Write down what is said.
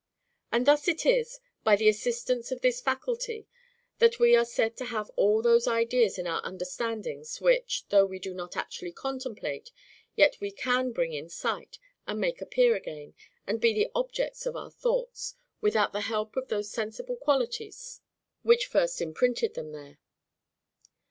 And thus it is, by the assistance of this faculty, that we are said to have all those ideas in our understandings which, though we do not actually contemplate yet we CAN bring in sight, and make appear again, and be the objects of our thoughts, without the help of those sensible qualities which first imprinted them there.